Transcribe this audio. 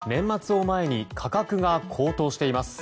年末を前に価格が高騰しています。